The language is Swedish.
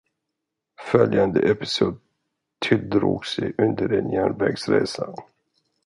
Följande episod tilldrog sig under en järnvägsresa.